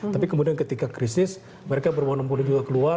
tapi kemudian ketika krisis mereka berbonong bondo juga keluar